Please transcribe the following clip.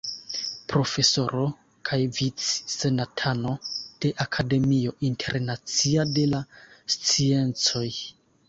Profesoro kaj vic-senatano de Akademio Internacia de la Sciencoj.